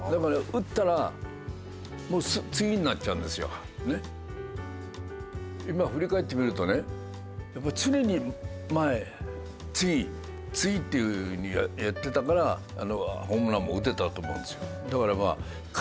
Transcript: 野球人の今振り返ってみるとねやっぱ常に前へ次次っていうふうにやってたからあのホームランも打てたと思うんですよ。